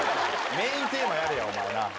メインテーマやれや、お前な。